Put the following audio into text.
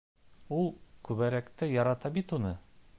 Ул күберәк тә ярата бит уны.